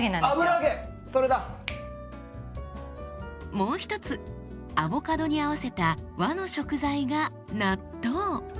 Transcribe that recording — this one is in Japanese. もう一つアボカドに合わせた和の食材が納豆。